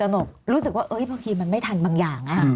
หรือถ้าตื่นตนกรู้สึกว่าเฮ้ยบางทีมันไม่ทันบางอย่าง